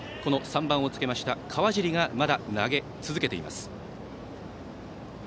３番をつけました川尻がまだ投げ続けています。